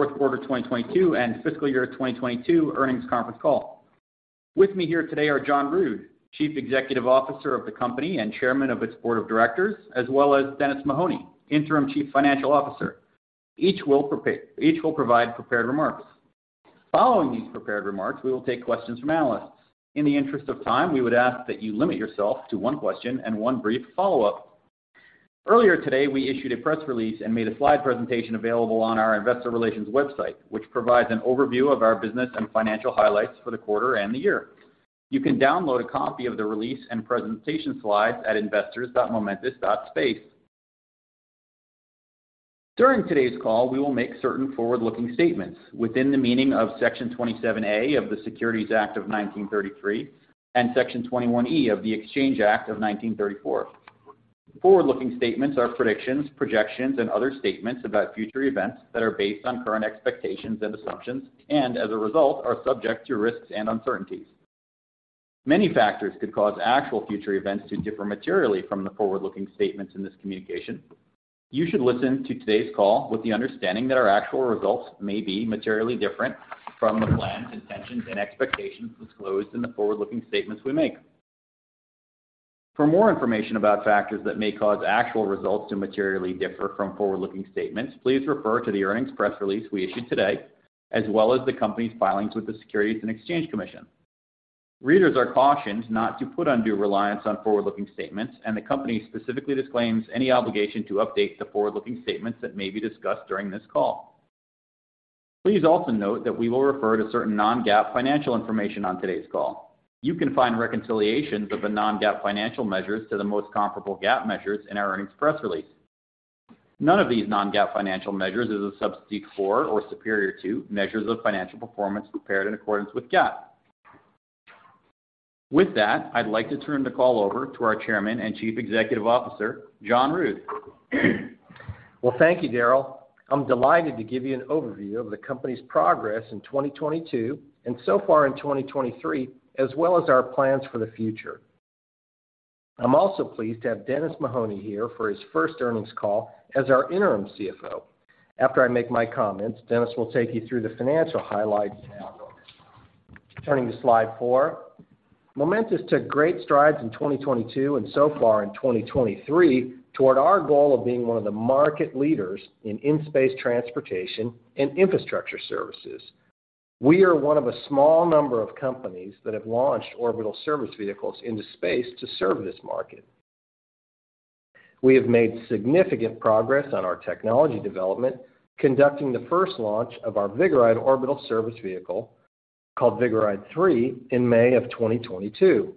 Fourth quarter 2022 and fiscal year 2022 earnings conference call. With me here today are John Rood, Chief Executive Officer of the company and Chairman of its Board of Directors, as well as Dennis Mahoney, Interim Chief Financial Officer. Each will provide prepared remarks. Following these prepared remarks, we will take questions from analysts. In the interest of time, we would ask that you limit yourself to one question and one brief follow-up. Earlier today, we issued a press release and made a slide presentation available on our investor relations website, which provides an overview of our business and financial highlights for the quarter and the year. You can download a copy of the release and presentation slides at investors.momentus.space. During today's call, we will make certain forward-looking statements within the meaning of Section 27A of the Securities Act of 1933 and Section 21E of the Exchange Act of 1934. Forward-looking statements are predictions, projections, and other statements about future events that are based on current expectations and assumptions, and as a result, are subject to risks and uncertainties. Many factors could cause actual future events to differ materially from the forward-looking statements in this communication. You should listen to today's call with the understanding that our actual results may be materially different from the plans, intentions, and expectations disclosed in the forward-looking statements we make. For more information about factors that may cause actual results to materially differ from forward-looking statements, please refer to the earnings press release we issued today, as well as the company's filings with the Securities and Exchange Commission. Readers are cautioned not to put undue reliance on forward-looking statements, and the company specifically disclaims any obligation to update the forward-looking statements that may be discussed during this call. Please also note that we will refer to certain non-GAAP financial information on today's call. You can find reconciliations of the non-GAAP financial measures to the most comparable GAAP measures in our earnings press release. None of these non-GAAP financial measures is a substitute for or superior to measures of financial performance prepared in accordance with GAAP. With that, I'd like to turn the call over to our Chairman and Chief Executive Officer, John Rood. Well, thank you, Darryl. I'm delighted to give you an overview of the company's progress in 2022 and so far in 2023, as well as our plans for the future. I'm also pleased to have Dennis Mahoney here for his first earnings call as our interim CFO. After I make my comments, Dennis will take you through the financial highlights and outlook. Turning to slide four. Momentus took great strides in 2022 and so far in 2023 toward our goal of being one of the market leaders in in-space transportation and infrastructure services. We are one of a small number of companies that have launched orbital service vehicles into space to serve this market. We have made significant progress on our technology development, conducting the first launch of our Vigoride orbital service vehicle called Vigoride-3 in May of 2022.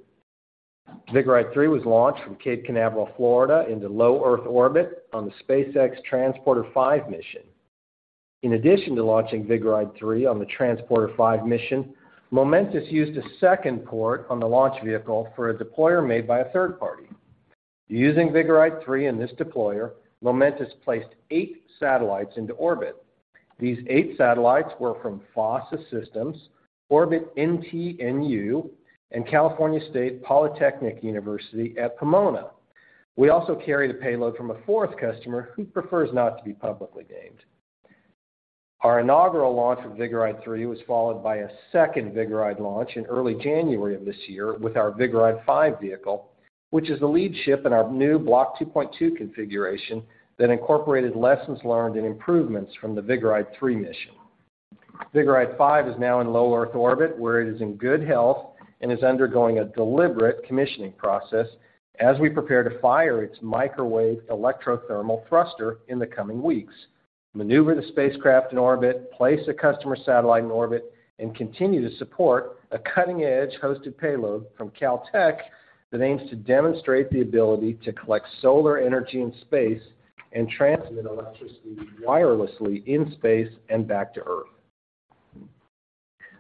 Vigoride-3 was launched from Cape Canaveral, Florida, into low Earth orbit on the SpaceX Transporter-5 mission. In addition to launching Vigoride-3 on the Transporter-5 mission, Momentus used a second port on the launch vehicle for a deployer made by a third party. Using Vigoride-3 and this deployer, Momentus placed eight satellites into orbit. These eight satellites were from FOSSA Systems, Orbit NTNU, and California State Polytechnic University, Pomona. We also carried a payload from a fourth customer who prefers not to be publicly named. Our inaugural launch of Vigoride-3 was followed by a second Vigoride launch in early January of this year with our Vigoride-5 vehicle, which is the lead ship in our new Block 2.2 configuration that incorporated lessons learned and improvements from the Vigoride-3 mission. Vigoride-5 is now in low Earth orbit, where it is in good health and is undergoing a deliberate commissioning process as we prepare to fire its Microwave Electrothermal Thruster in the coming weeks, maneuver the spacecraft in orbit, place a customer satellite in orbit, and continue to support a cutting-edge hosted payload from Caltech that aims to demonstrate the ability to collect solar energy in space and transmit electricity wirelessly in space and back to Earth.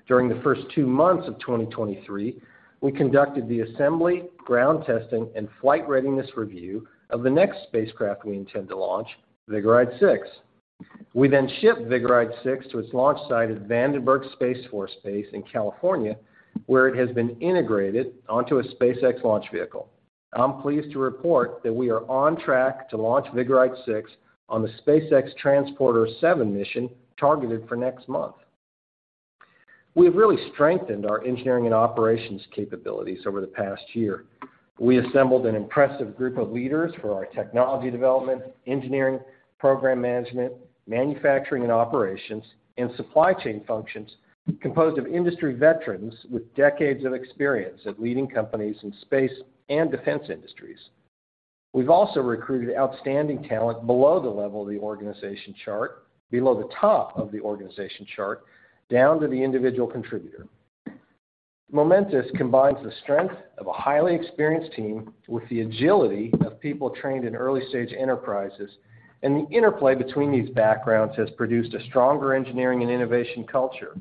During the first 2 months of 2023, we conducted the assembly, ground testing, and flight readiness review of the next spacecraft we intend to launch, Vigoride-6. We shipped Vigoride-6 to its launch site at Vandenberg Space Force Base in California, where it has been integrated onto a SpaceX launch vehicle. I'm pleased to report that we are on track to launch Vigoride-6 on the SpaceX Transporter-7 mission targeted for next month. We've really strengthened our engineering and operations capabilities over the past year. We assembled an impressive group of leaders for our technology development, engineering, program management, manufacturing and operations, and supply chain functions composed of industry veterans with decades of experience at leading companies in space and defense industries. We've also recruited outstanding talent below the top of the organization chart, down to the individual contributor. Momentus combines the strength of a highly experienced team with the agility of people trained in early-stage enterprises, and the interplay between these backgrounds has produced a stronger engineering and innovation culture.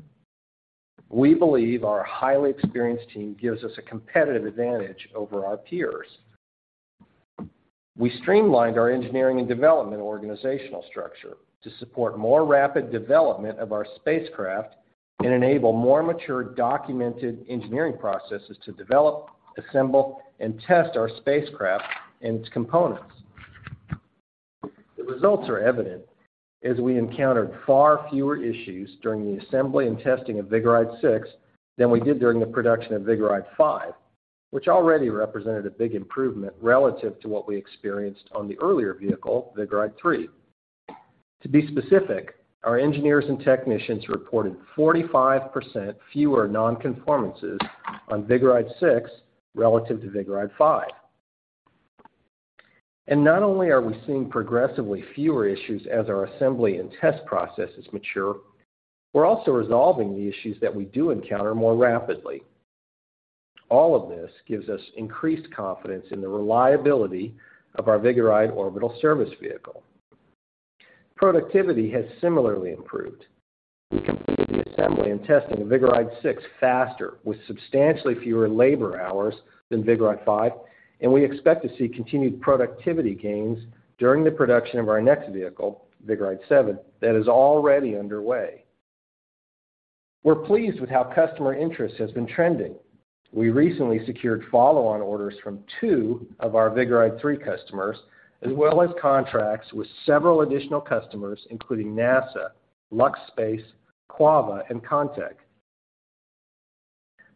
We believe our highly experienced team gives us a competitive advantage over our peers. We streamlined our engineering and development organizational structure to support more rapid development of our spacecraft. Enable more mature documented engineering processes to develop, assemble, and test our spacecraft and its components. The results are evident as we encountered far fewer issues during the assembly and testing of Vigoride-6 than we did during the production of Vigoride-5, which already represented a big improvement relative to what we experienced on the earlier vehicle, Vigoride-3. To be specific, our engineers and technicians reported 45% fewer non-conformances on Vigoride-6 relative to Vigoride-5. Not only are we seeing progressively fewer issues as our assembly and test processes mature, we're also resolving the issues that we do encounter more rapidly. All of this gives us increased confidence in the reliability of our Vigoride orbital service vehicle. Productivity has similarly improved. We completed the assembly and testing of Vigoride-6 faster with substantially fewer labor hours than Vigoride-5. We expect to see continued productivity gains during the production of our next vehicle, Vigoride-7, that is already underway. We're pleased with how customer interest has been trending. We recently secured follow-on orders from two of our Vigoride-3 customers, as well as contracts with several additional customers, including NASA, LuxSpace, CUAVA, and CONTEC.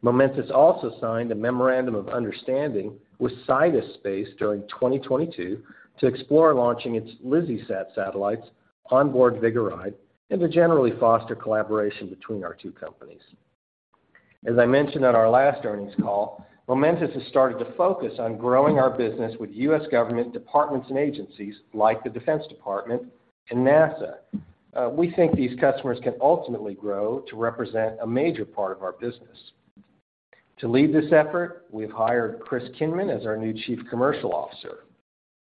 Momentus also signed a memorandum of understanding with Sidus Space during 2022 to explore launching its LizzieSat satellites onboard Vigoride and to generally foster collaboration between our two companies. As I mentioned on our last earnings call, Momentus has started to focus on growing our business with U.S. government departments and agencies like the Defense Department and NASA. We think these customers can ultimately grow to represent a major part of our business. To lead this effort, we've hired Chris Kinman as our new chief commercial officer.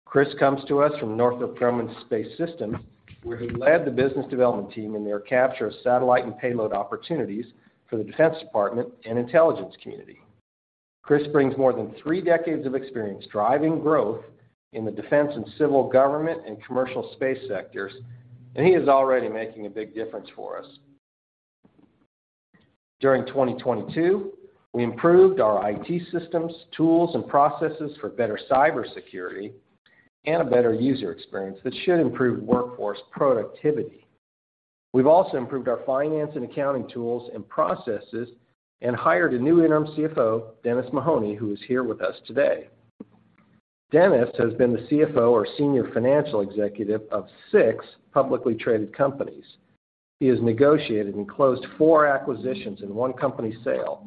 Chris comes to us from Northrop Grumman Space Systems, where he led the business development team in their capture of satellite and payload opportunities for the Defense Department and intelligence community. Chris brings more than three decades of experience driving growth in the defense and civil government and commercial space sectors, and he is already making a big difference for us. During 2022, we improved our IT systems, tools, and processes for better cybersecurity and a better user experience that should improve workforce productivity. We've also improved our finance and accounting tools and processes and hired a new interim CFO, Dennis Mahoney, who is here with us today. Dennis has been the CFO or senior financial executive of six publicly traded companies. He has negotiated and closed four acquisitions and one company sale.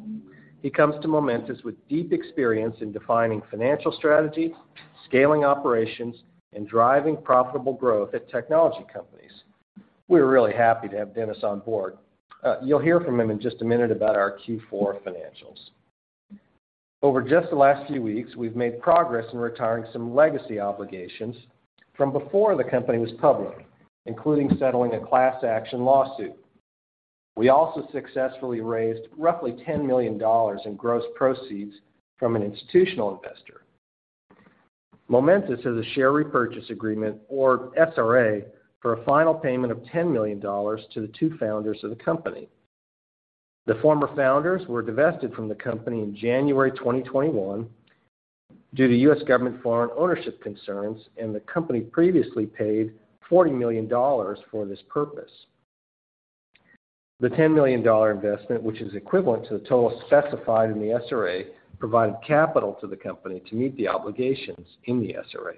He comes to Momentus with deep experience in defining financial strategies, scaling operations, and driving profitable growth at technology companies. We're really happy to have Dennis on board. You'll hear from him in just a minute about our Q4 financials. Over just the last few weeks, we've made progress in retiring some legacy obligations from before the company was public, including settling a class action lawsuit. We also successfully raised roughly $10 million in gross proceeds from an institutional investor. Momentus has a share repurchase agreement or SRA for a final payment of $10 million to the two founders of the company. The former founders were divested from the company in January 2021 due to U.S. government foreign ownership concerns, and the company previously paid $40 million for this purpose. The $10 million investment, which is equivalent to the total specified in the SRA, provided capital to the company to meet the obligations in the SRA.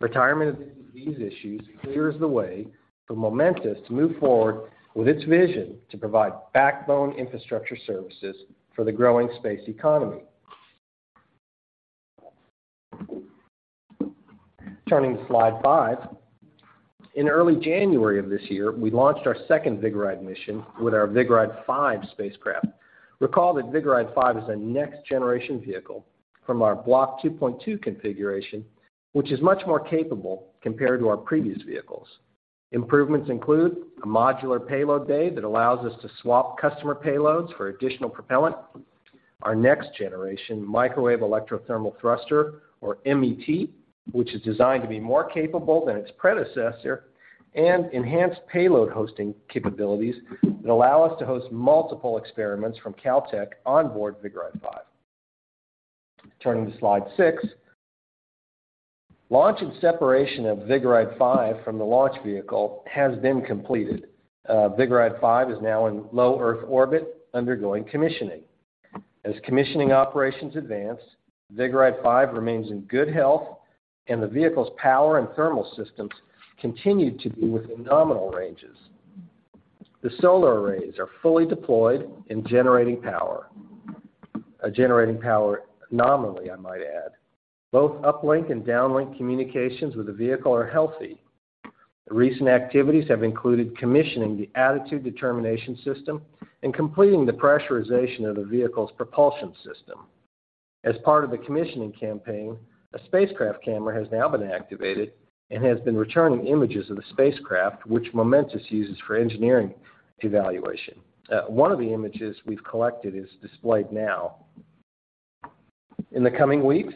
Retirement of these issues clears the way for Momentus to move forward with its vision to provide backbone infrastructure services for the growing space economy. Turning to slide five. In early January of this year, we launched our second Vigoride mission with our Vigoride-5 spacecraft. Recall that Vigoride-5 is a next-generation vehicle from our Block 2.2 configuration, which is much more capable compared to our previous vehicles. Improvements include a modular payload bay that allows us to swap customer payloads for additional propellant, our next-generation Microwave Electrothermal Thruster, or MET, which is designed to be more capable than its predecessor, and enhanced payload hosting capabilities that allow us to host multiple experiments from Caltech onboard Vigoride-5. Turning to slide six. Launch and separation of Vigoride-5 from the launch vehicle has been completed. Vigoride-5 is now in low Earth orbit undergoing commissioning. As commissioning operations advance, Vigoride-5 remains in good health and the vehicle's power and thermal systems continue to be within nominal ranges. The solar arrays are fully deployed and generating power. Generating power nominally, I might add. Both uplink and downlink communications with the vehicle are healthy. The recent activities have included commissioning the attitude determination system and completing the pressurization of the vehicle's propulsion system. As part of the commissioning campaign, a spacecraft camera has now been activated and has been returning images of the spacecraft, which Momentus uses for engineering evaluation. One of the images we've collected is displayed now. In the coming weeks,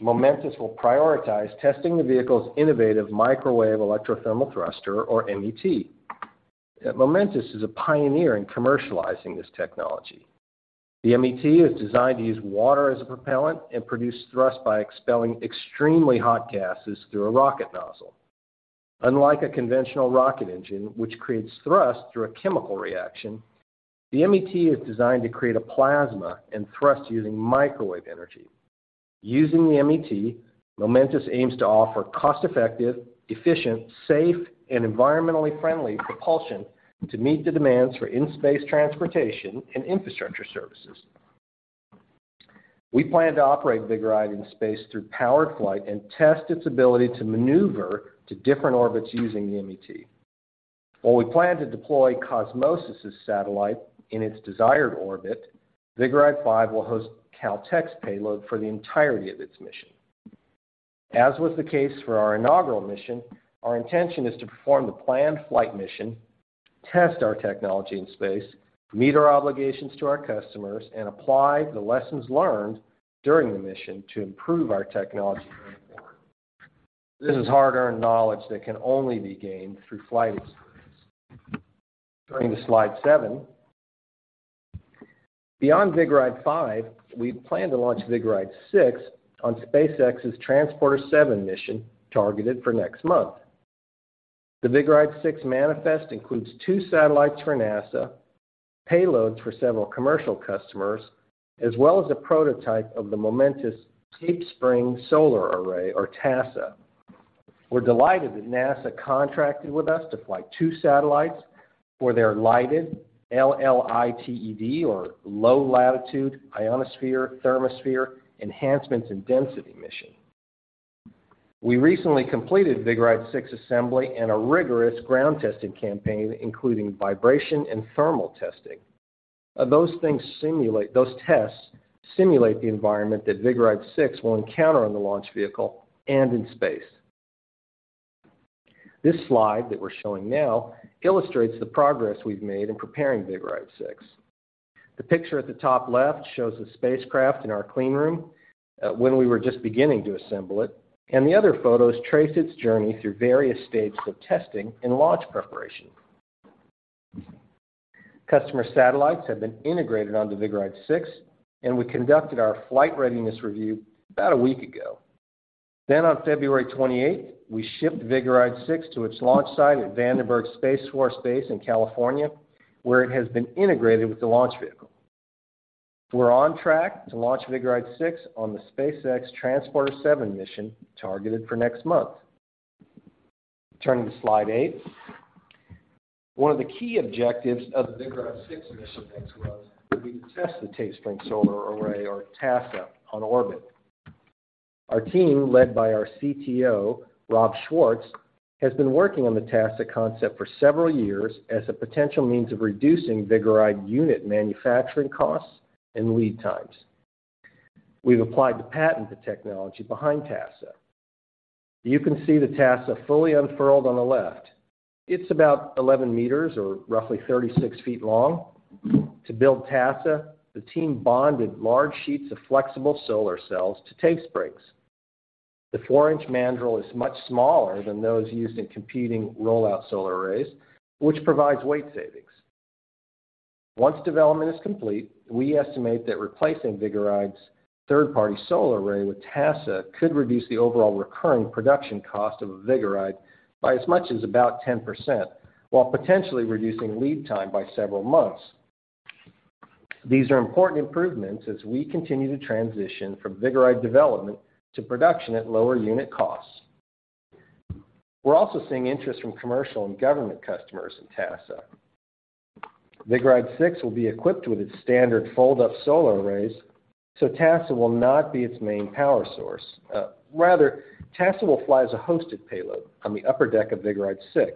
Momentus will prioritize testing the vehicle's innovative Microwave Electrothermal Thruster, or MET. Momentus is a pioneer in commercializing this technology. The MET is designed to use water as a propellant and produce thrust by expelling extremely hot gases through a rocket nozzle. Unlike a conventional rocket engine, which creates thrust through a chemical reaction, the MET is designed to create a plasma and thrust using microwave energy. Using the MET, Momentus aims to offer cost-effective, efficient, safe, and environmentally friendly propulsion to meet the demands for in-space transportation and infrastructure services. We plan to operate Vigoride in space through powered flight and test its ability to maneuver to different orbits using the MET. While we plan to deploy Qosmosys' satellite in its desired orbit, Vigoride-5 will host Caltech's payload for the entirety of its mission. As was the case for our inaugural mission, our intention is to perform the planned flight mission, test our technology in space, meet our obligations to our customers, and apply the lessons learned during the mission to improve our technology going forward. This is hard-earned knowledge that can only be gained through flight experience. Turning to slide seven. Beyond Vigoride-5, we plan to launch Vigoride-6 on SpaceX's Transporter-7 mission targeted for next month. The Vigoride-6 manifest includes two satellites for NASA, payloads for several commercial customers, as well as a prototype of the Momentus Tape Spring Solar Array, or TASSA. We're delighted that NASA contracted with us to fly two satellites for their LLITED, L-L-I-T-E-D, or Low-Latitude Ionosphere/Thermosphere Enhancements in Density mission. We recently completed Vigoride-6 assembly and a rigorous ground testing campaign, including vibration and thermal testing. Those tests simulate the environment that Vigoride-6 will encounter on the launch vehicle and in space. This slide that we're showing now illustrates the progress we've made in preparing Vigoride-6. The picture at the top left shows the spacecraft in our clean room when we were just beginning to assemble it, and the other photos trace its journey through various stages of testing and launch preparation. Customer satellites have been integrated onto Vigoride-6, and we conducted our flight readiness review about a week ago. On February 28th, we shipped Vigoride-6 to its launch site at Vandenberg Space Force Base in California, where it has been integrated with the launch vehicle. We're on track to launch Vigoride-6 on the SpaceX Transporter-7 mission targeted for next month. Turning to slide eight. One of the key objectives of the Vigoride-6 mission next month will be to test the Tape Spring Solar Array, or TASSA, on orbit. Our team, led by our CTO, Rob Schwartz, has been working on the TASSA concept for several years as a potential means of reducing Vigoride unit manufacturing costs and lead times. We've applied to patent the technology behind TASSA. You can see the TASSA fully unfurled on the left. It's about 11 m or roughly 36 ft long. To build TASSA, the team bonded large sheets of flexible solar cells to tape springs. The 4-inch mandrel is much smaller than those used in competing rollout solar arrays, which provides weight savings. Once development is complete, we estimate that replacing Vigoride's third-party solar array with TASSA could reduce the overall recurring production cost of a Vigoride by as much as about 10% while potentially reducing lead time by several months. These are important improvements as we continue to transition from Vigoride development to production at lower unit costs. We're also seeing interest from commercial and government customers in TASSA. Vigoride-6 will be equipped with its standard fold-up solar arrays, so TASSA will not be its main power source. Rather, TASSA will fly as a hosted payload on the upper deck of Vigoride-6.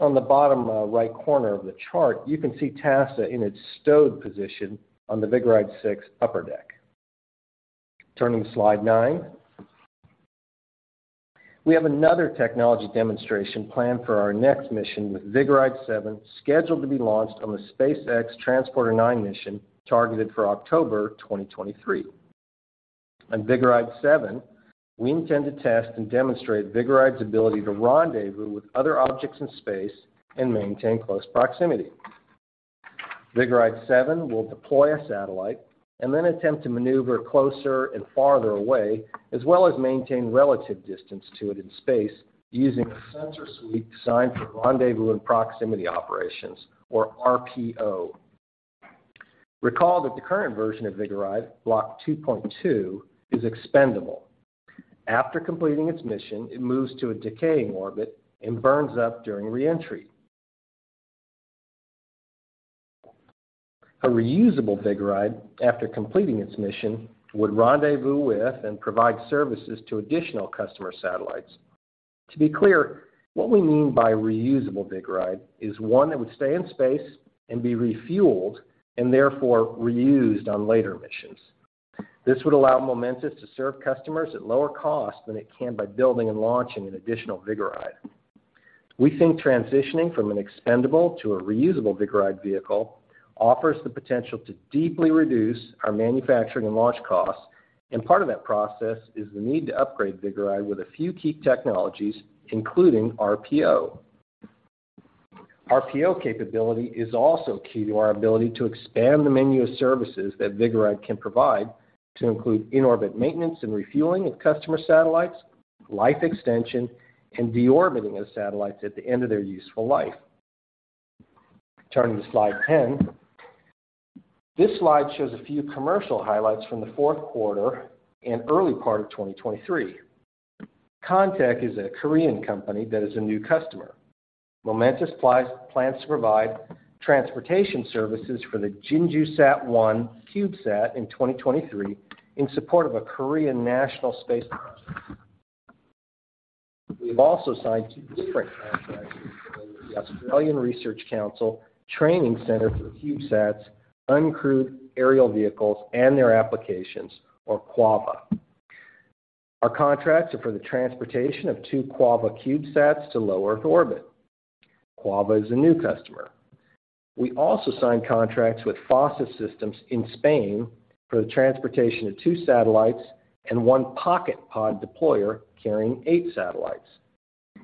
On the bottom, right corner of the chart, you can see TASSA in its stowed position on the Vigoride-6 upper deck. Turning to slide nine. We have another technology demonstration planned for our next mission with Vigoride-7, scheduled to be launched on the SpaceX Transporter-9 mission targeted for October 2023. On Vigoride-7, we intend to test and demonstrate Vigoride's ability to rendezvous with other objects in space and maintain close proximity. Vigoride-7 will deploy a satellite and then attempt to maneuver closer and farther away, as well as maintain relative distance to it in space using a sensor suite designed for rendezvous and proximity operations, or RPO. Recall that the current version of Vigoride, Block 2.2, is expendable. After completing its mission, it moves to a decaying orbit and burns up during reentry. A reusable Vigoride, after completing its mission, would rendezvous with and provide services to additional customer satellites. To be clear, what we mean by reusable Vigoride is one that would stay in space and be refueled and therefore reused on later missions. This would allow Momentus to serve customers at lower cost than it can by building and launching an additional Vigoride. We think transitioning from an expendable to a reusable Vigoride vehicle offers the potential to deeply reduce our manufacturing and launch costs, and part of that process is the need to upgrade Vigoride with a few key technologies, including RPO. RPO capability is also key to our ability to expand the menu of services that Vigoride can provide to include in-orbit maintenance and refueling of customer satellites, life extension, and de-orbiting of satellites at the end of their useful life. Turning to slide 10. This slide shows a few commercial highlights from the fourth quarter and early part of 2023. CONTEC is a Korean company that is a new customer. Momentus plans to provide transportation services for the JINJUSat-1 CubeSat in 2023 in support of a Korean national space. We've also signed two different contracts with the Australian Research Council Training Centre for CubeSats, Uncrewed Aerial Vehicles and their Applications, or CUAVA. Our contracts are for the transportation of two CUAVA CubeSats to low Earth orbit. CUAVA is a new customer. We also signed contracts with FOSSA Systems in Spain for the transportation of two satellites and one PocketPod deployer carrying 8 satellites.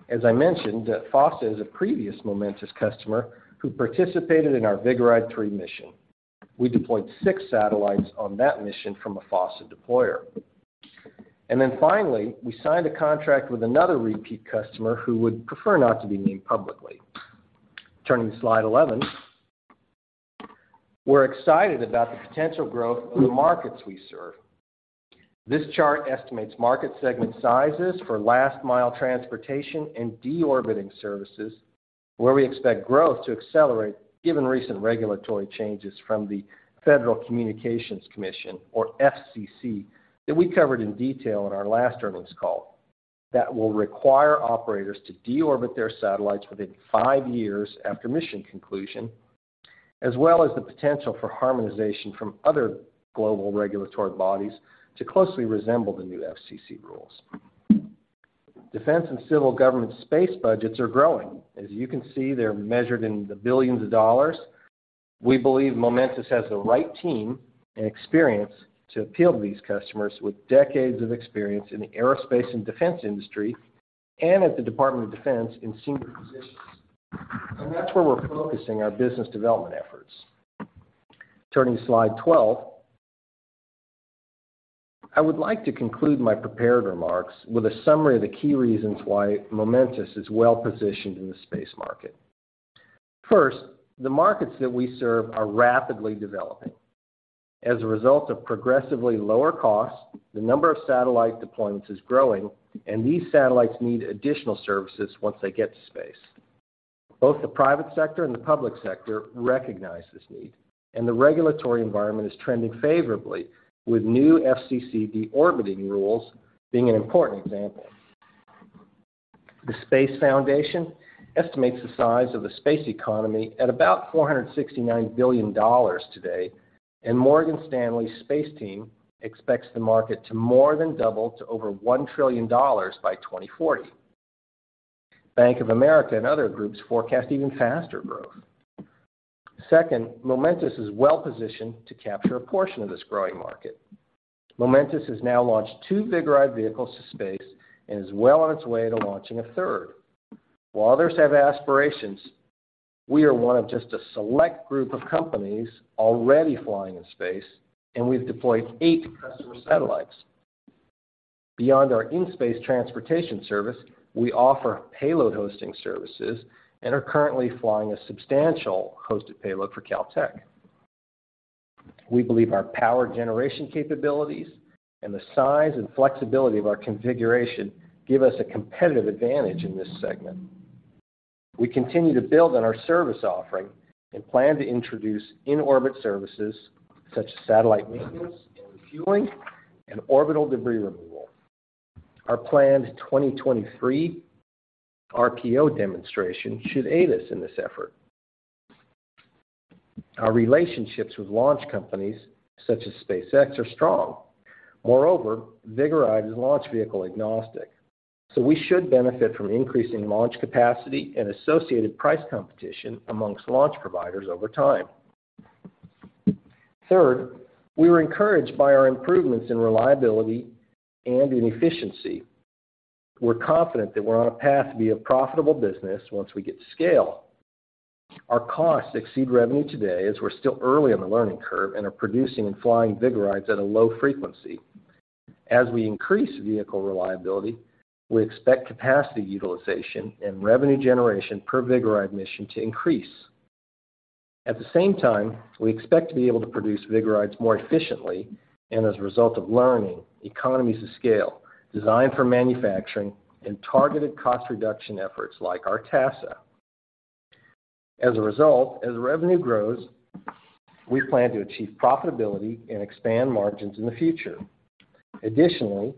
As I mentioned, FOSSA is a previous Momentus customer who participated in our Vigoride-3 mission. We deployed six satellites on that mission from a FOSSA deployer. Finally, we signed a contract with another repeat customer who would prefer not to be named publicly. Turning to slide 11. We're excited about the potential growth of the markets we serve. This chart estimates market segment sizes for last mile transportation and de-orbiting services, where we expect growth to accelerate given recent regulatory changes from the Federal Communications Commission, or FCC, that we covered in detail in our last earnings call, that will require operators to de-orbit their satellites within five years after mission conclusion, as well as the potential for harmonization from other global regulatory bodies to closely resemble the new FCC rules. Defense and civil government space budgets are growing. As you can see, they're measured in the billions of dollars. We believe Momentus has the right team and experience to appeal to these customers with decades of experience in the aerospace and defense industry and at the Department of Defense in senior positions. That's where we're focusing our business development efforts. Turning to slide 12. I would like to conclude my prepared remarks with a summary of the key reasons why Momentus is well-positioned in the space market. First, the markets that we serve are rapidly developing. As a result of progressively lower costs, the number of satellite deployments is growing, and these satellites need additional services once they get to space. Both the private sector and the public sector recognize this need, and the regulatory environment is trending favorably, with new FCC de-orbiting rules being an important example. The Space Foundation estimates the size of the space economy at about $469 billion today, and Morgan Stanley's space team expects the market to more than double to over $1 trillion by 2040. Bank of America and other groups forecast even faster growth. Second, Momentus is well-positioned to capture a portion of this growing market. Momentus has now launched two Vigoride vehicles to space and is well on its way to launching a third. While others have aspirations, we are one of just a select group of companies already flying in space, and we've deployed eight customer satellites. Beyond our in-space transportation service, we offer payload hosting services and are currently flying a substantial hosted payload for Caltech. We believe our power generation capabilities and the size and flexibility of our configuration give us a competitive advantage in this segment. We continue to build on our service offering and plan to introduce in-orbit services such as satellite maintenance and refueling and orbital debris removal. Our planned 2023 RPO demonstration should aid us in this effort. Our relationships with launch companies such as SpaceX are strong. Vigoride is launch vehicle agnostic, so we should benefit from increasing launch capacity and associated price competition amongst launch providers over time. Third, we were encouraged by our improvements in reliability and in efficiency. We're confident that we're on a path to be a profitable business once we get to scale. Our costs exceed revenue today as we're still early in the learning curve and are producing and flying Vigorides at a low frequency. As we increase vehicle reliability, we expect capacity utilization and revenue generation per Vigoride mission to increase. At the same time, we expect to be able to produce Vigorides more efficiently and as a result of learning, economies of scale, design for manufacturing, and targeted cost reduction efforts like our TASSA. As a result, as revenue grows, we plan to achieve profitability and expand margins in the future. Additionally,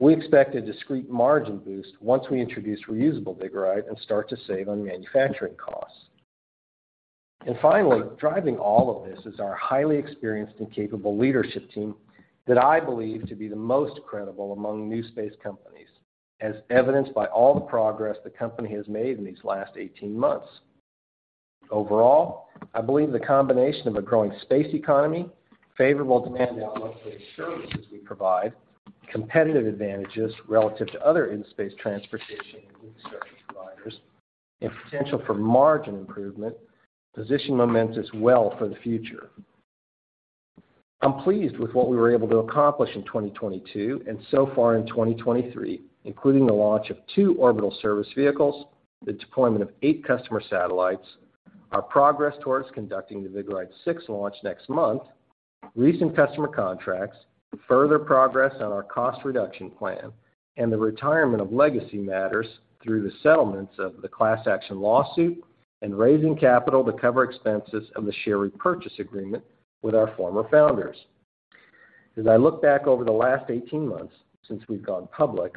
we expect a discrete margin boost once we introduce reusable Vigoride and start to save on manufacturing costs. Finally, driving all of this is our highly experienced and capable leadership team that I believe to be the most credible among new space companies, as evidenced by all the progress the company has made in these last 18 months. Overall, I believe the combination of a growing space economy, favorable demand outlook for the services we provide, competitive advantages relative to other in-space transportation and infrastructure providers, and potential for margin improvement position Momentus well for the future. I'm pleased with what we were able to accomplish in 2022 and so far in 2023, including the launch of two orbital service vehicles, the deployment of 8 customer satellites, our progress towards conducting the Vigoride-6 launch next month, recent customer contracts, further progress on our cost reduction plan, and the retirement of legacy matters through the settlements of the class action lawsuit and raising capital to cover expenses of the share repurchase agreement with our former founders. As I look back over the last 18 months since we've gone public,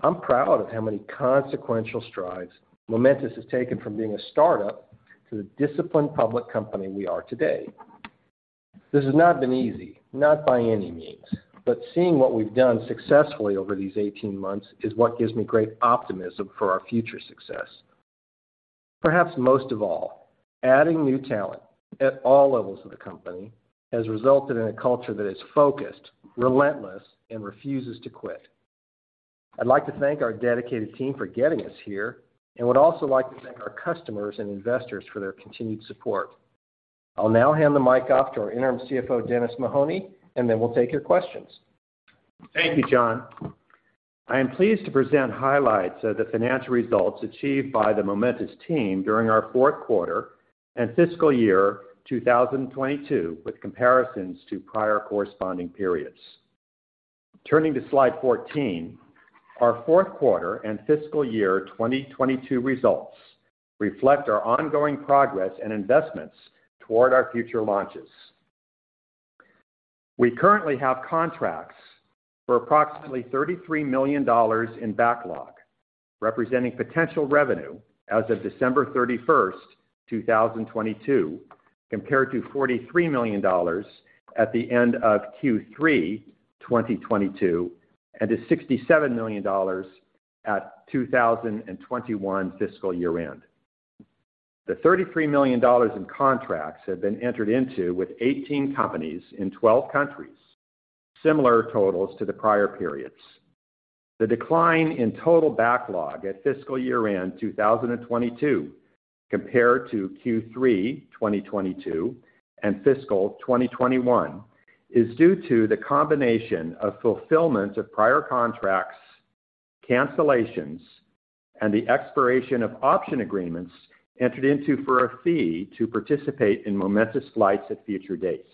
I'm proud of how many consequential strides Momentus has taken from being a startup to the disciplined public company we are today. This has not been easy, not by any means, seeing what we've done successfully over these 18 months is what gives me great optimism for our future success. Perhaps most of all, adding new talent at all levels of the company has resulted in a culture that is focused, relentless, and refuses to quit. I'd like to thank our dedicated team for getting us here, and would also like to thank our customers and investors for their continued support. I'll now hand the mic off to our Interim CFO, Dennis Mahoney, and then we'll take your questions. Thank you, John. I am pleased to present highlights of the financial results achieved by the Momentus team during our fourth quarter and fiscal year 2022, with comparisons to prior corresponding periods. Turning to slide 14, our fourth quarter and fiscal year 2022 results reflect our ongoing progress and investments toward our future launches. We currently have contracts for approximately $33 million in backlog, representing potential revenue as of December 31st, 2022, compared to $43 million at the end of Q3 2022, and to $67 million at 2021 fiscal year-end. The $33 million in contracts have been entered into with 18 companies in 12 countries, similar totals to the prior periods. The decline in total backlog at fiscal year-end 2022 compared to Q3 2022 and fiscal 2021 is due to the combination of fulfillment of prior contracts, cancellations, and the expiration of option agreements entered into for a fee to participate in Momentus flights at future dates.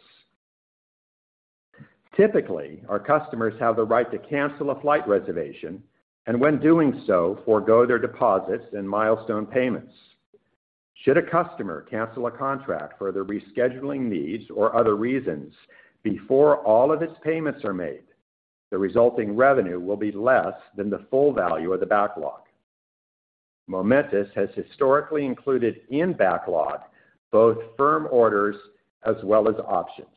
Typically, our customers have the right to cancel a flight reservation, and when doing so, forgo their deposits and milestone payments. Should a customer cancel a contract for their rescheduling needs or other reasons before all of its payments are made, the resulting revenue will be less than the full value of the backlog. Momentus has historically included in backlog both firm orders as well as options.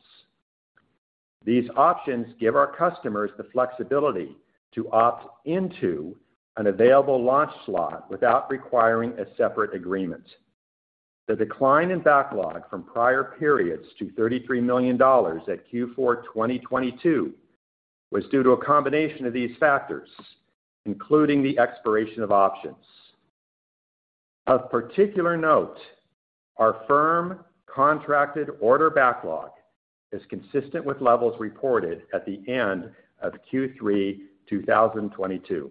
These options give our customers the flexibility to opt into an available launch slot without requiring a separate agreement. The decline in backlog from prior periods to $33 million at Q4 2022 was due to a combination of these factors, including the expiration of options. Of particular note, our firm contracted order backlog is consistent with levels reported at the end of Q3 2022.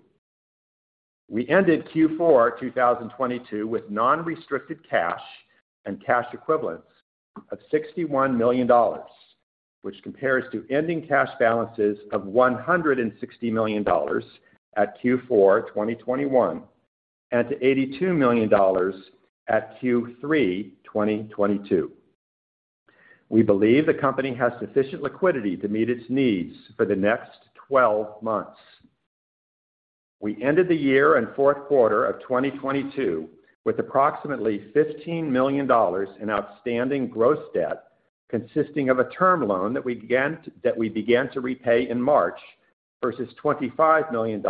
We ended Q4 2022 with non-restricted cash and cash equivalents of $61 million, which compares to ending cash balances of $160 million at Q4 2021 and to $82 million at Q3 2022. We believe the company has sufficient liquidity to meet its needs for the next 12 months. We ended the year and fourth quarter of 2022 with approximately $15 million in outstanding gross debt, consisting of a term loan that we began to repay in March versus $25 million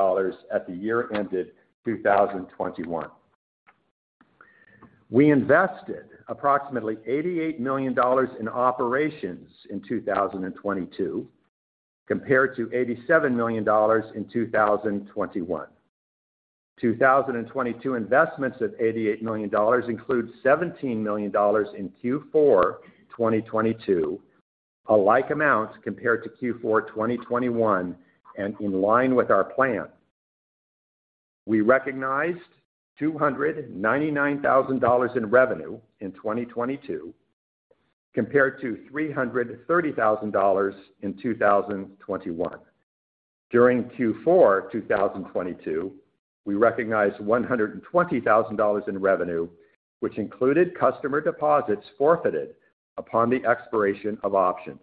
at the year ended 2021. We invested approximately $88 million in operations in 2022, compared to $87 million in 2021. 2022 investments of $88 million include $17 million in Q4 2022, a like amount compared to Q4 2021 and in line with our plan. We recognized $299,000 in revenue in 2022, compared to $330,000 in 2021. During Q4 2022, we recognized $120,000 in revenue, which included customer deposits forfeited upon the expiration of options.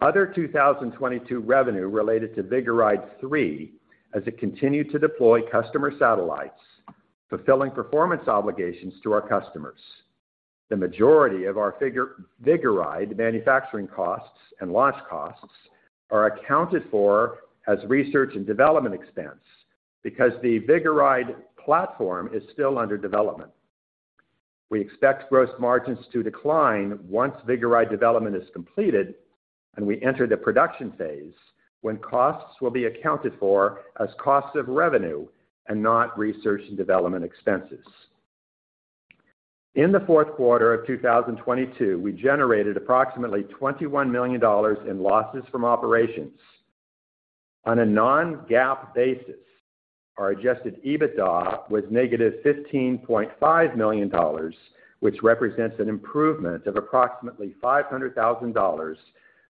Other 2022 revenue related to Vigoride-3 as it continued to deploy customer satellites, fulfilling performance obligations to our customers. The majority of our Vigoride manufacturing costs and launch costs are accounted for as research and development expense because the Vigoride platform is still under development. We expect gross margins to decline once Vigoride development is completed and we enter the production phase, when costs will be accounted for as cost of revenue and not research and development expenses. In the fourth quarter of 2022, we generated approximately $21 million in losses from operations. On a non-GAAP basis, our Adjusted EBITDA was -$15.5 million, which represents an improvement of approximately $500,000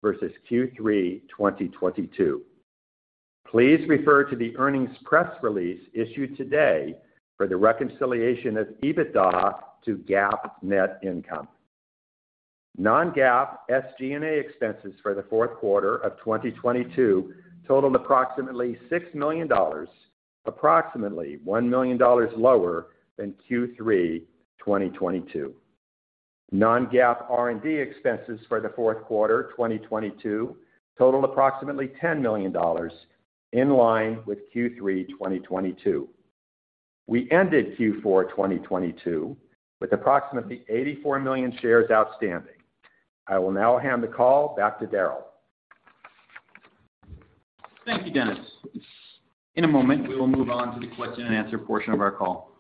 versus Q3 2022. Please refer to the earnings press release issued today for the reconciliation of EBITDA to GAAP net income. Non-GAAP SG&A expenses for the fourth quarter of 2022 totaled approximately $6 million, approximately $1 million lower than Q3 2022. Non-GAAP R&D expenses for the fourth quarter 2022 totaled approximately $10 million, in line with Q3 2022. We ended Q4 2022 with approximately 84 million shares outstanding. I will now hand the call back to Darryl. Thank you, Dennis. In a moment, we will move on to the question-and-answer portion of our call.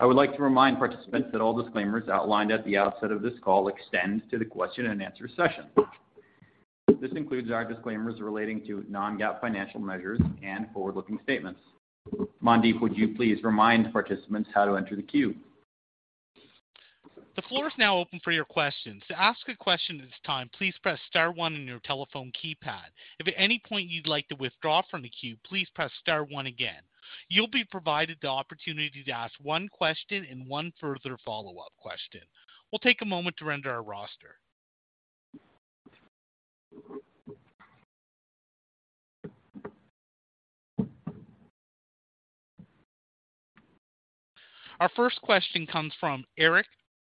I would like to remind participants that all disclaimers outlined at the outset of this call extend to the question-and-answer session. This includes our disclaimers relating to non-GAAP financial measures and forward-looking statements. Operator, would you please remind participants how to enter the queue? The floor is now open for your questions. To ask a question at this time, please press star one on your telephone keypad. If at any point you'd like to withdraw from the queue, please press star one again. You'll be provided the opportunity to ask one question and one further follow-up question. We'll take a moment to render our roster. Our first question comes from Erik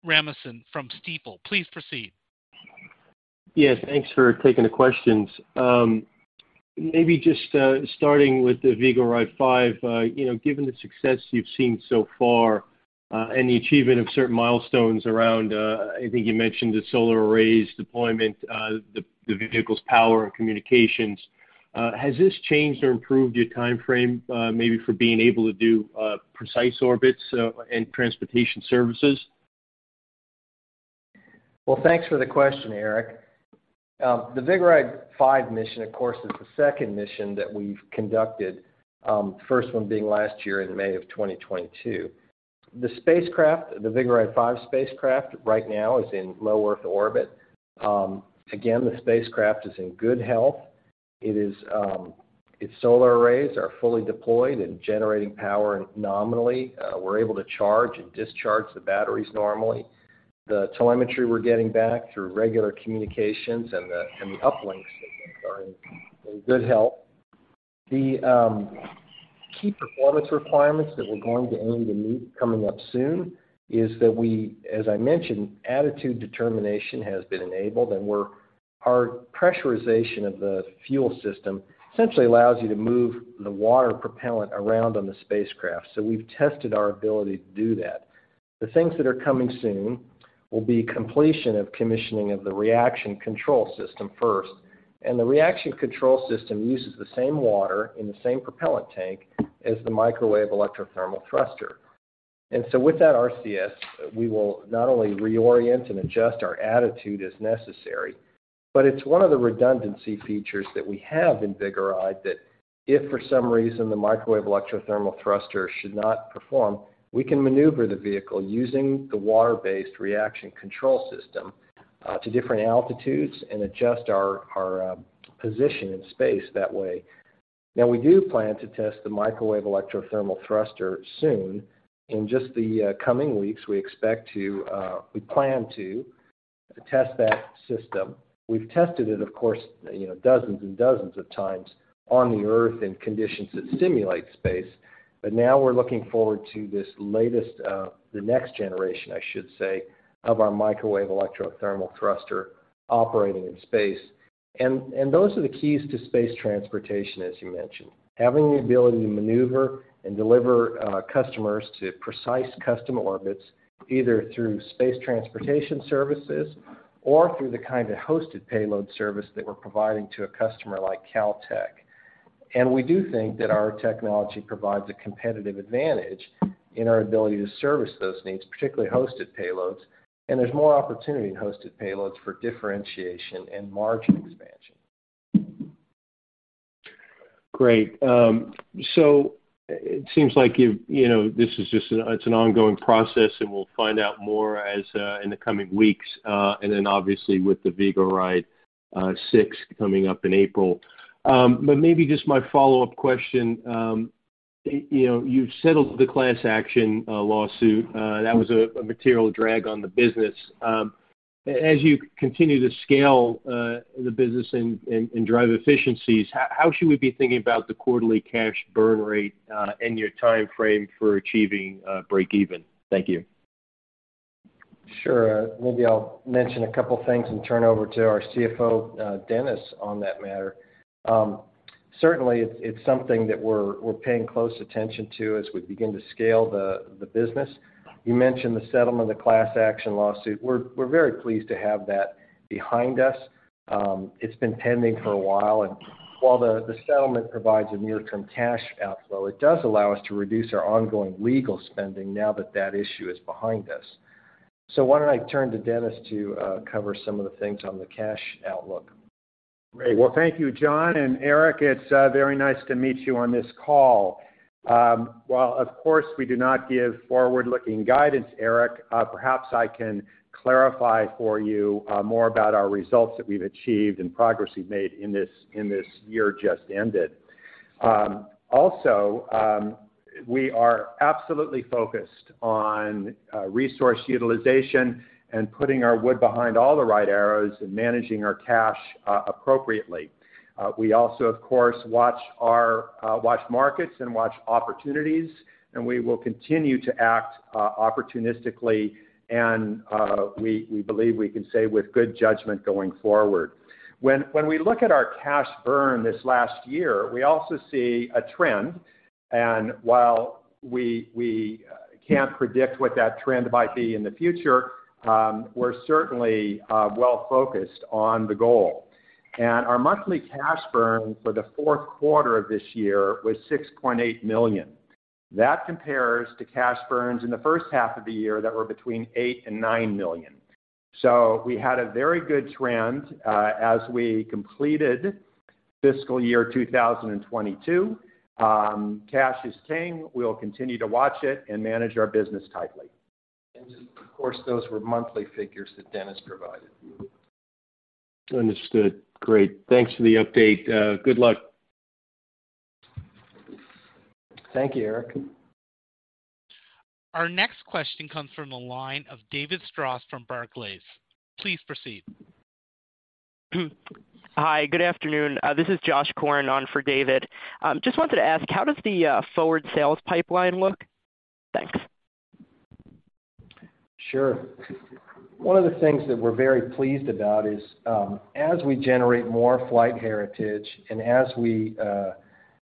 Rasmussen from Stifel. Please proceed. Yes, thanks for taking the questions. Maybe just starting with the Vigoride-5, you know, given the success you've seen so far, and the achievement of certain milestones around, I think you mentioned the solar arrays deployment, the vehicle's power and communications. Has this changed or improved your timeframe, maybe for being able to do precise orbits and transportation services? Well, thanks for the question, Erik. The Vigoride-5 mission, of course, is the second mission that we've conducted. First one being last year in May of 2022. The spacecraft, the Vigoride-5 spacecraft right now is in low Earth orbit. Again, the spacecraft is in good health. Its solar arrays are fully deployed and generating power nominally. We're able to charge and discharge the batteries normally. The telemetry we're getting back through regular communications and the uplinks are in good health. The key performance requirements that we're going to aim to meet coming up soon is that we, as I mentioned, attitude determination has been enabled, and our pressurization of the fuel system essentially allows you to move the water propellant around on the spacecraft. We've tested our ability to do that. The things that are coming soon will be completion of commissioning of the reaction control system first. The reaction control system uses the same water in the same propellant tank as the Microwave Electrothermal Thruster. With that RCS, we will not only reorient and adjust our attitude as necessary, but it's one of the redundancy features that we have in Vigoride that if for some reason the Microwave Electrothermal Thruster should not perform, we can maneuver the vehicle using the water-based reaction control system to different altitudes and adjust our position in space that way. Now, we do plan to test the Microwave Electrothermal Thruster soon. In just the coming weeks, we plan to test that system. We've tested it, of course, you know, dozens and dozens of times on the Earth in conditions that simulate space. Now we're looking forward to this latest, the next generation, I should say, of our Microwave Electrothermal Thruster operating in space. Those are the keys to space transportation, as you mentioned. Having the ability to maneuver and deliver customers to precise custom orbits, either through space transportation services or through the kind of hosted payload service that we're providing to a customer like Caltech. We do think that our technology provides a competitive advantage in our ability to service those needs, particularly hosted payloads. There's more opportunity in hosted payloads for differentiation and margin expansion. Great. It seems like you know, this is just an ongoing process, and we'll find out more as in the coming weeks, and then obviously with the Vigoride-6 coming up in April. Maybe just my follow-up question. You know, you've settled the class action lawsuit. That was a material drag on the business. As you continue to scale the business and drive efficiencies, how should we be thinking about the quarterly cash burn rate and your timeframe for achieving breakeven? Thank you. Sure. Maybe I'll mention a couple things and turn over to our CFO, Dennis, on that matter. Certainly it's something that we're paying close attention to as we begin to scale the business. You mentioned the settlement, the class action lawsuit. We're very pleased to have that behind us. It's been pending for a while, and while the settlement provides a near-term cash outflow, it does allow us to reduce our ongoing legal spending now that that issue is behind us. Why don't I turn to Dennis to cover some of the things on the cash outlook. Great. Well, thank you, John. Erik, it's very nice to meet you on this call. While, of course, we do not give forward-looking guidance, Erik, perhaps I can clarify for you more about our results that we've achieved and progress we've made in this year just ended. Also, we are absolutely focused on resource utilization and putting our wood behind all the right arrows and managing our cash appropriately. We also, of course, watch our watch markets and watch opportunities, and we will continue to act opportunistically, and we believe we can say with good judgment going forward. When we look at our cash burn this last year, we also see a trend. While we can't predict what that trend might be in the future, we're certainly well-focused on the goal. Our monthly cash burn for the fourth quarter of this year was $6.8 million. That compares to cash burns in the first half of the year that were between $8 million and $9 million. We had a very good trend as we completed fiscal year 2022. Cash is king. We'll continue to watch it and manage our business tightly. Of course, those were monthly figures that Dennis provided. Understood. Great. Thanks for the update. good luck. Thank you, Erik. Our next question comes from the line of David Strauss from Barclays. Please proceed. Hi, good afternoon. This is Josh Korn on for David. Just wanted to ask, how does the forward sales pipeline look? Thanks. One of the things that we're very pleased about is, as we generate more flight heritage and as we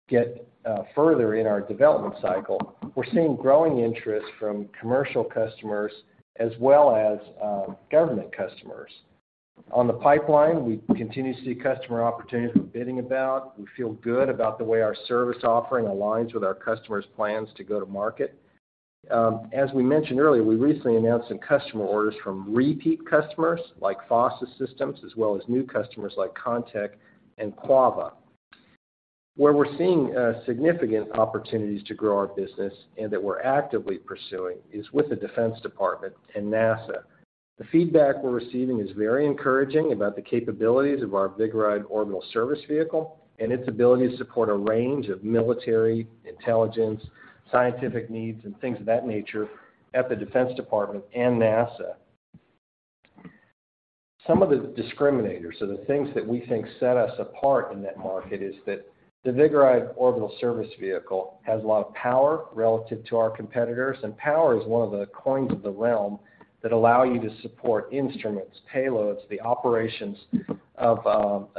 get further in our development cycle, we're seeing growing interest from commercial customers as well as government customers. On the pipeline, we continue to see customer opportunities we're bidding about. We feel good about the way our service offering aligns with our customers' plans to go to market. As we mentioned earlier, we recently announced some customer orders from repeat customers like FOSSA Systems, as well as new customers like CONTEC and CUAVA. Where we're seeing significant opportunities to grow our business and that we're actively pursuing is with the Defense Department and NASA. The feedback we're receiving is very encouraging about the capabilities of our Vigoride orbital service vehicle and its ability to support a range of military, intelligence, scientific needs and things of that nature at the Defense Department and NASA. Some of the discriminators, so the things that we think set us apart in that market, is that the Vigoride orbital service vehicle has a lot of power relative to our competitors, and power is one of the coins of the realm that allow you to support instruments, payloads, the operations of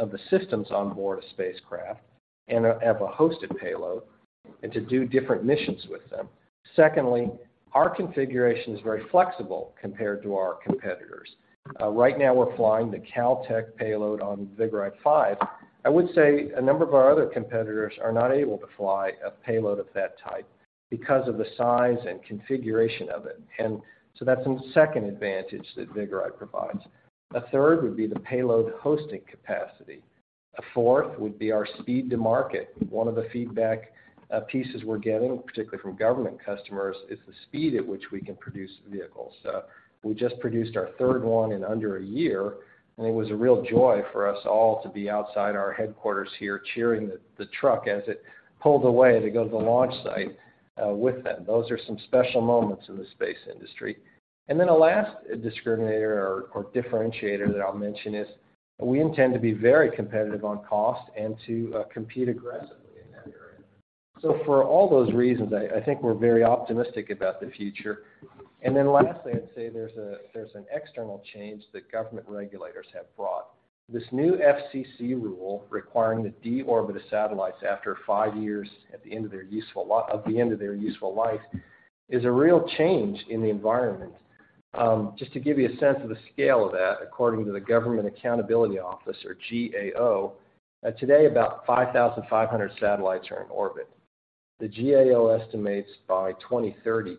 the systems on board a spacecraft and have a hosted payload and to do different missions with them. Secondly, our configuration is very flexible compared to our competitors. Right now we're flying the Caltech payload on Vigoride-5. I would say a number of our other competitors are not able to fly a payload of that type because of the size and configuration of it. That's a second advantage that Vigoride provides. A third would be the payload hosting capacity. A fourth would be our speed to market. One of the feedback pieces we're getting, particularly from government customers, is the speed at which we can produce vehicles. We just produced our third one in under a year, and it was a real joy for us all to be outside our headquarters here cheering the truck as it pulled away to go to the launch site with them. Those are some special moments in the space industry. A last discriminator or differentiator that I'll mention is we intend to be very competitive on cost and to compete aggressively in that area. For all those reasons, I think we're very optimistic about the future. Lastly, I'd say there's an external change that government regulators have brought. This new FCC rule requiring the deorbit of satellites after five years at the end of their useful life is a real change in the environment. Just to give you a sense of the scale of that, according to the Government Accountability Office or GAO, today, about 5,500 satellites are in orbit. The GAO estimates by 2030,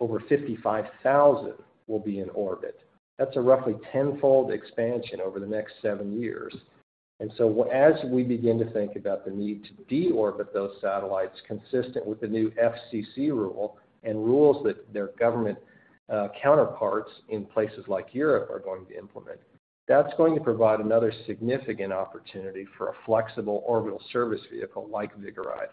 over 55,000 will be in orbit. That's a roughly tenfold expansion over the next seven years. As we begin to think about the need to deorbit those satellites consistent with the new FCC rule and rules that their government, counterparts in places like Europe are going to implement, that's going to provide another significant opportunity for a flexible orbital service vehicle like Vigoride.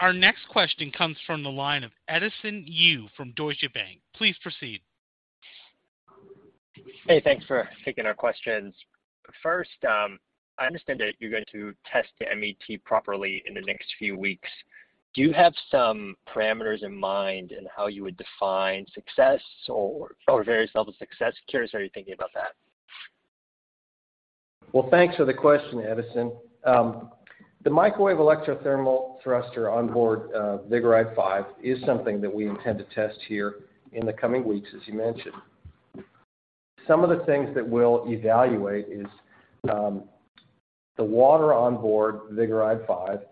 Our next question comes from the line of Edison Yu from Deutsche Bank. Please proceed. Hey, thanks for taking our questions. First, I understand that you're going to test the MET properly in the next few weeks. Do you have some parameters in mind in how you would define success or various levels of success? Curious how you're thinking about that. Well, thanks for the question, Edison. The Microwave Electrothermal Thruster on board Vigoride-5 is something that we intend to test here in the coming weeks, as you mentioned. Some of the things that we'll evaluate is the water on board Vigoride-5,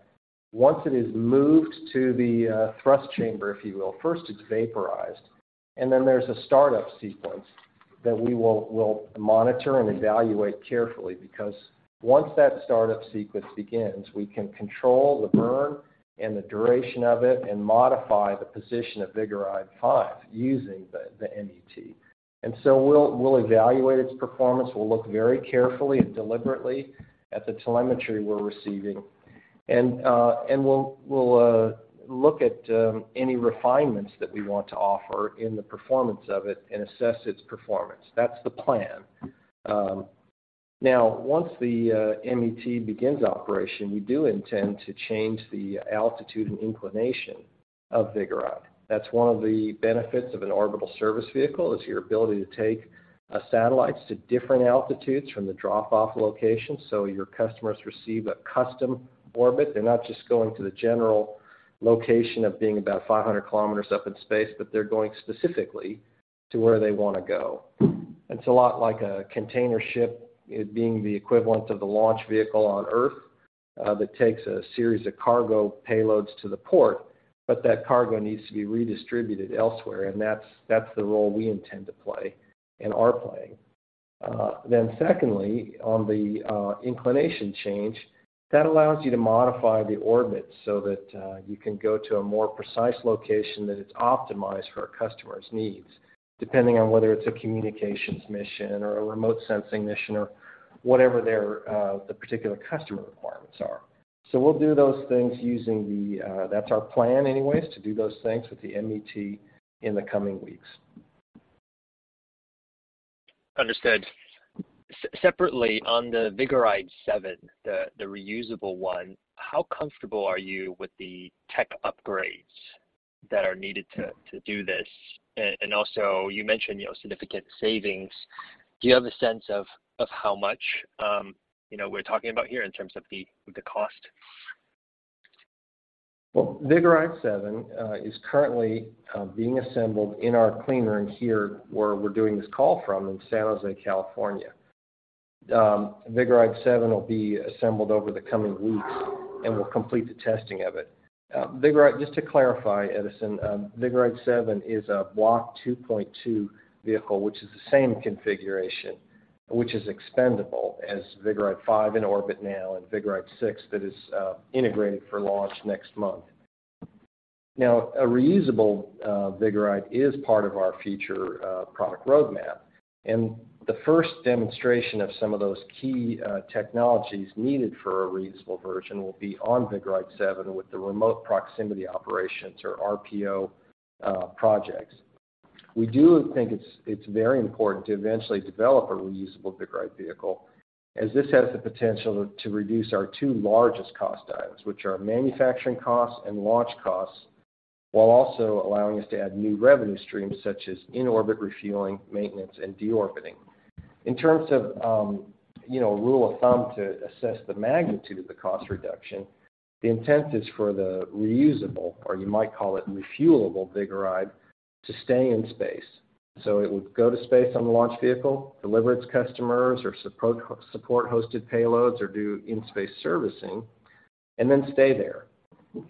once it is moved to the thrust chamber, if you will. First, it's vaporized, and then there's a startup sequence that we'll monitor and evaluate carefully. Because once that startup sequence begins, we can control the burn and the duration of it and modify the position of Vigoride-5 using the MET. We'll evaluate its performance. We'll look very carefully and deliberately at the telemetry we're receiving. We'll look at any refinements that we want to offer in the performance of it and assess its performance. That's the plan. Now, once the MET begins operation, we do intend to change the altitude and inclination of Vigoride. That's one of the benefits of an orbital service vehicle, is your ability to take satellites to different altitudes from the drop-off location so your customers receive a custom orbit. They're not just going to the general location of being about 500 km up in space, but they're going specifically to where they wanna go. It's a lot like a container ship, it being the equivalent of the launch vehicle on Earth, that takes a series of cargo payloads to the port, but that cargo needs to be redistributed elsewhere, that's the role we intend to play and are playing. Secondly, on the inclination change, that allows you to modify the orbit so that you can go to a more precise location that it's optimized for a customer's needs, depending on whether it's a communications mission or a remote sensing mission or whatever their particular customer requirements are. We'll do those things using the. That's our plan, anyways, to do those things with the MET in the coming weeks. Understood. Separately, on the Vigoride-7, the reusable one, how comfortable are you with the tech upgrades that are needed to do this? Also, you mentioned, you know, significant savings. Do you have a sense of how much, you know, we're talking about here in terms of the cost? Well, Vigoride-7 is currently being assembled in our clean room here, where we're doing this call from in San Jose, California. Vigoride-7 will be assembled over the coming weeks, and we'll complete the testing of it. Just to clarify, Edison, Vigoride-7 is a Block 2.2 vehicle, which is the same configuration, which is expendable as Vigoride-5 in orbit now and Vigoride-6 that is integrating for launch next month. A reusable Vigoride is part of our future product roadmap. The first demonstration of some of those key technologies needed for a reusable version will be on Vigoride-7 with the remote proximity operations or RPO projects. We do think it's very important to eventually develop a reusable Vigoride vehicle, as this has the potential to reduce our two largest cost items, which are manufacturing costs and launch costs, while also allowing us to add new revenue streams, such as in-orbit refueling, maintenance, and de-orbiting. In terms of, you know, rule of thumb to assess the magnitude of the cost reduction, the intent is for the reusable, or you might call it refuelable Vigoride, to stay in space. It would go to space on the launch vehicle, deliver its customers or support hosted payloads or do in-space servicing, and then stay there.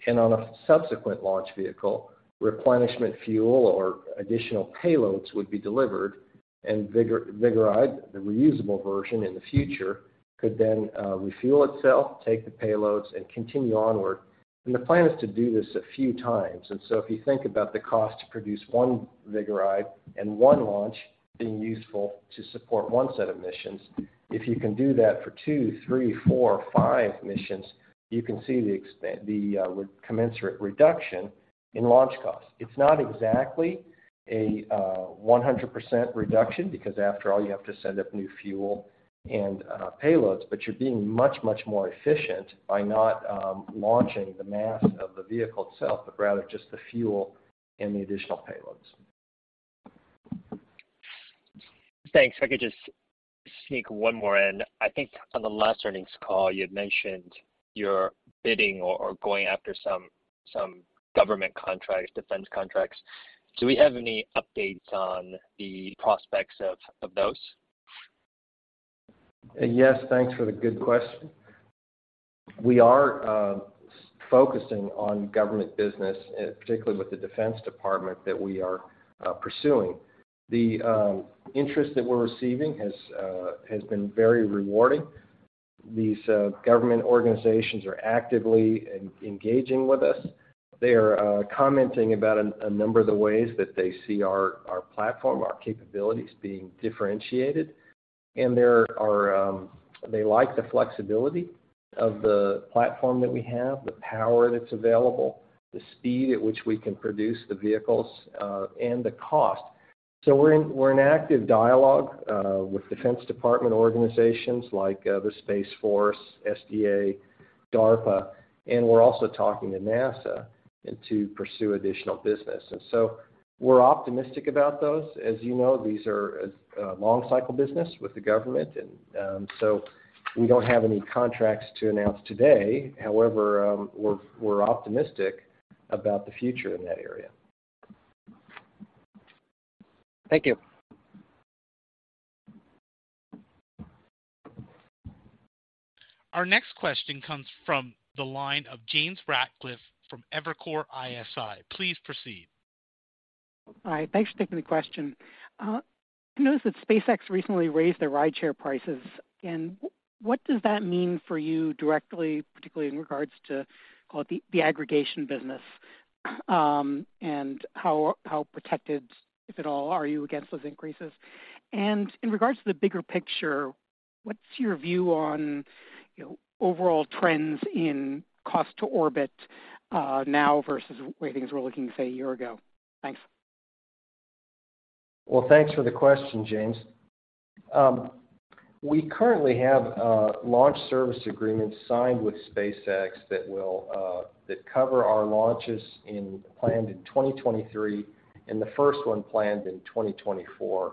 On a subsequent launch vehicle, replenishment fuel or additional payloads would be delivered. Vigoride, the reusable version in the future, could then refuel itself, take the payloads, and continue onward. The plan is to do this a few times. If you think about the cost to produce one Vigoride and one launch being useful to support one set of missions, if you can do that for two, three, four, five missions, you can see the commensurate reduction in launch costs. It's not exactly a 100% reduction because, after all, you have to send up new fuel and payloads, but you're being much, much more efficient by not launching the mass of the vehicle itself, but rather just the fuel and the additional payloads. Thanks. If I could just sneak one more in. I think on the last earnings call, you had mentioned you're bidding or going after some government contracts, defense contracts. Do we have any updates on the prospects of those? Yes. Thanks for the good question. We are focusing on government business, particularly with the Defense Department, that we are pursuing. The interest that we're receiving has been very rewarding. These government organizations are actively engaging with us. They are commenting about a number of the ways that they see our platform, our capabilities being differentiated. They like the flexibility of the platform that we have, the power that's available, the speed at which we can produce the vehicles, and the cost. We're in active dialogue with Defense Department organizations like the Space Force, SDA, DARPA, and we're also talking to NASA to pursue additional business. We're optimistic about those. As you know, these are long cycle business with the government. We don't have any contracts to announce today. However, we're optimistic about the future in that area. Thank you. Our next question comes from the line of James Ratcliffe from Evercore ISI. Please proceed. All right, thanks for taking the question. I noticed that SpaceX recently raised their rideshare prices. What does that mean for you directly, particularly in regards to, call it the aggregation business? How protected, if at all, are you against those increases? In regards to the bigger picture, what's your view on, you know, overall trends in cost to orbit, now versus the way things were looking, say, a year ago? Thanks. Well, thanks for the question, James. We currently have launch service agreements signed with SpaceX that will cover our launches planned in 2023, and the first one planned in 2024,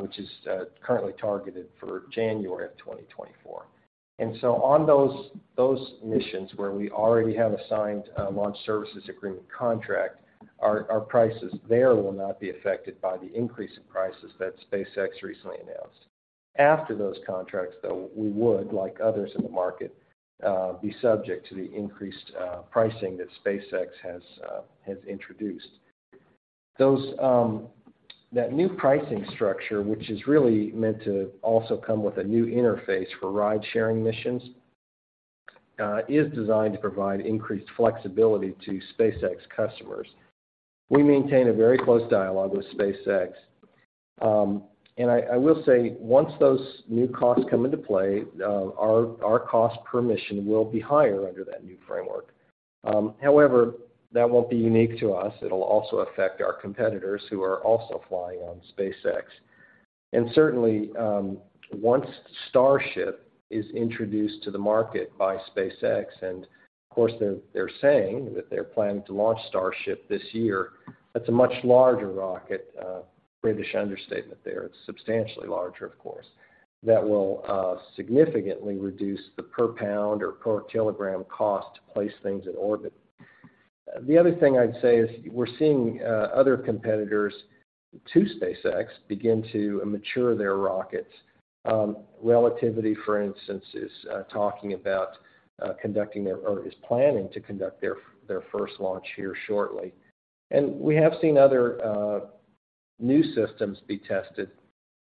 which is currently targeted for January of 2024. On those missions where we already have a signed launch services agreement contract, our prices there will not be affected by the increase in prices that SpaceX recently announced. After those contracts, though, we would, like others in the market, be subject to the increased pricing that SpaceX has introduced. That new pricing structure, which is really meant to also come with a new interface for ridesharing missions, is designed to provide increased flexibility to SpaceX customers. We maintain a very close dialogue with SpaceX. I will say, once those new costs come into play, our cost per mission will be higher under that new framework. However, that won't be unique to us. It'll also affect our competitors who are also flying on SpaceX. Certainly, once Starship is introduced to the market by SpaceX, and of course, they're saying that they're planning to launch Starship this year. That's a much larger rocket, British understatement there. It's substantially larger, of course, that will significantly reduce the per pound or per kilogram cost to place things in orbit. The other thing I'd say is we're seeing other competitors to SpaceX begin to mature their rockets. Relativity, for instance, is talking about planning to conduct their first launch here shortly. We have seen other new systems be tested.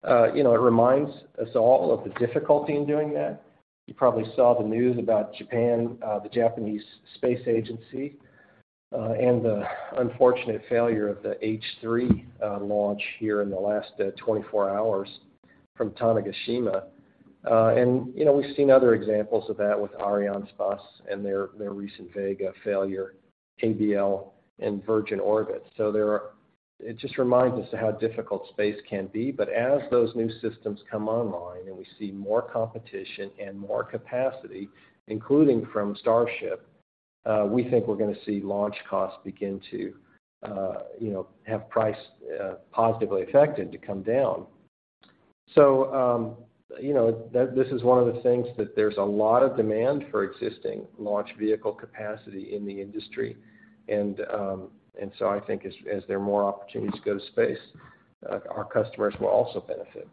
You know, it reminds us all of the difficulty in doing that. You probably saw the news about Japan, the Japanese space agency, and the unfortunate failure of the H3 launch here in the last 24 hours from Tanegashima. And, you know, we've seen other examples of that with Arianespace and their recent Vega failure, ABL, and Virgin Orbit. It just reminds us of how difficult space can be. As those new systems come online and we see more competition and more capacity, including from Starship, we think we're gonna see launch costs begin to, you know, have price positively affected to come down. You know, this is one of the things that there's a lot of demand for existing launch vehicle capacity in the industry. I think as there are more opportunities to go to space, our customers will also benefit.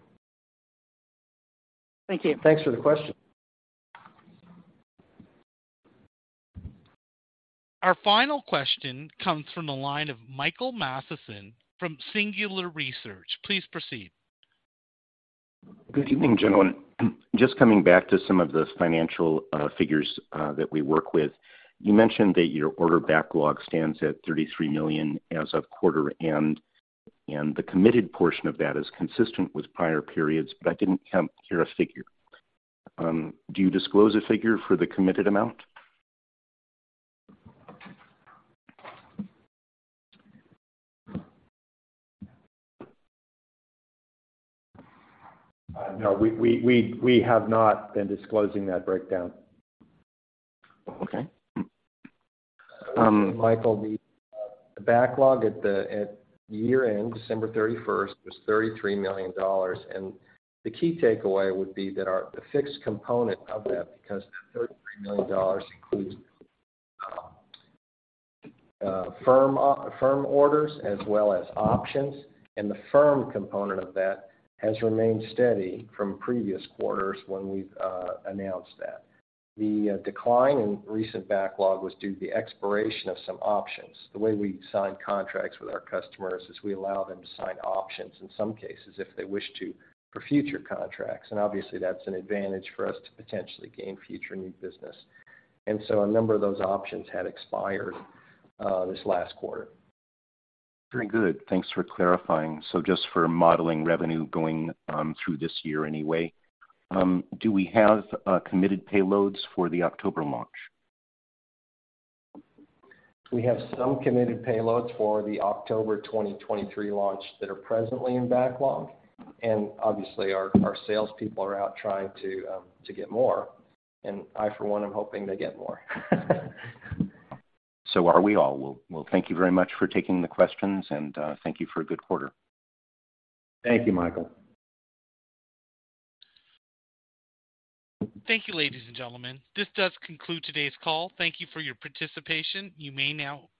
Thank you. Thanks for the question. Our final question comes from the line of Michael Mathison from Singular Research. Please proceed. Good evening, gentlemen. Just coming back to some of the financial figures that we work with. You mentioned that your order backlog stands at $33 million as of quarter end, and the committed portion of that is consistent with prior periods, but I didn't hear a figure. Do you disclose a figure for the committed amount? No, we have not been disclosing that breakdown. Okay. Michael, the backlog at year-end, December 31st, was $33 million, and the key takeaway would be that the fixed component of that, because that $33 million includes firm orders as well as options, and the firm component of that has remained steady from previous quarters when we've announced that. The decline in recent backlog was due to the expiration of some options. The way we sign contracts with our customers is we allow them to sign options in some cases if they wish to for future contracts, and obviously, that's an advantage for us to potentially gain future new business. A number of those options had expired this last quarter. Very good. Thanks for clarifying. Just for modeling revenue going through this year anyway, do we have committed payloads for the October launch? We have some committed payloads for the October 2023 launch that are presently in backlog. Obviously, our salespeople are out trying to get more. I, for one, am hoping they get more. Are we all. Well, thank you very much for taking the questions, and, thank you for a good quarter. Thank you, Michael. Thank you, ladies and gentlemen. This does conclude today's call. Thank you for your participation. You may now disconnect.